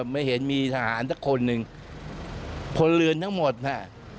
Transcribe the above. ไม่เห็นมีทหารสักคนหนึ่งพลเรือนทั้งหมดน่ะ